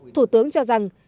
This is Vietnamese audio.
thủ tướng cho rằng